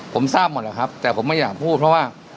ผมทราบหมดแล้วครับแต่ผมไม่อยากพูดเพราะว่า